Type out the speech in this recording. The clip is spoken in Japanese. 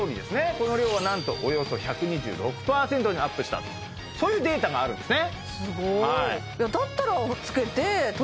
この量はなんとおよそ１２６％にアップしたとそういうデータがあるんですね